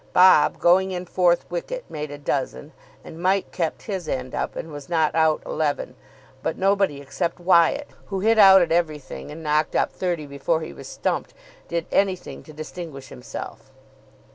Bob, going in fourth wicket, made a dozen, and Mike kept his end up, and was not out eleven; but nobody except Wyatt, who hit out at everything and knocked up thirty before he was stumped, did anything to distinguish himself.